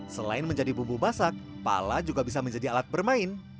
selain menjadi bumbu basak pala juga bisa menjadi alat bermain